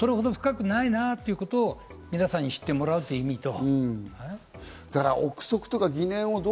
それほど深くないなということを皆さんに知ってもらうという意味と。